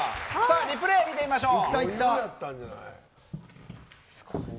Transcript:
リプレー見てみましょう。